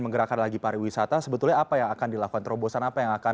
menggerakkan lagi pariwisata sebetulnya apa yang akan dilakukan terobosan apa yang akan